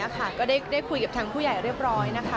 ก็ได้คุยกับทางผู้ใหญ่เรียบร้อยนะคะ